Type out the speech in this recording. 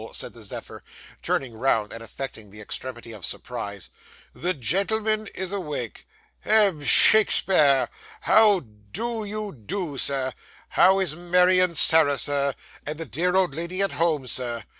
said the Zephyr, turning round and affecting the extremity of surprise; 'the gentleman is awake. Hem, Shakespeare! How do you do, Sir? How is Mary and Sarah, sir? and the dear old lady at home, Sir?